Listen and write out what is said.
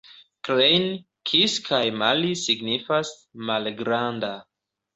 Klein, kis kaj mali signifas: malgranda.